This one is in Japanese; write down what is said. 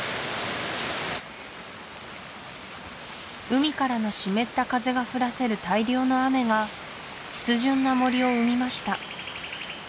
海からの湿った風が降らせる大量の雨が湿潤な森を生みました